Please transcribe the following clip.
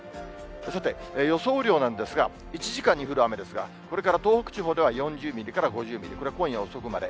さて、予想雨量なんですが、１時間に降る雨ですが、これから東北地方では４０ミリから５０ミリ、これは今夜遅くまで。